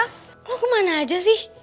lu kemana aja sih